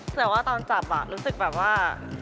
แต่ว่าตอนจับอ่ะหรือที่แบบว่า